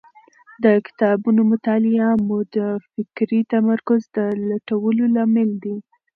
د کتابونو مطالعه مو د فکري تمرکز د لوړولو لامل دی.